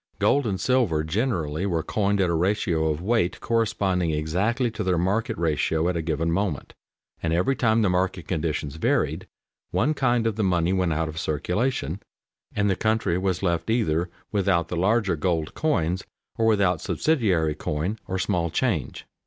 Gold and silver generally were coined at a ratio of weight corresponding exactly to their market ratio at a given moment, and every time the market conditions varied, one kind of the money went out of circulation, and the country was left either without the larger gold coins, or without subsidiary coin, or "small change."